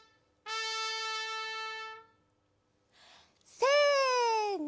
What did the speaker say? せの！